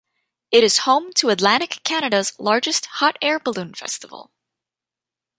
It is home to Atlantic Canada's largest hot air balloon festival.